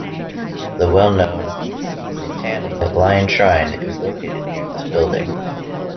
The well-known Nittany Lion Shrine is located nearby this building.